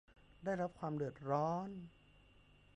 ได้รับความเดือดร้อน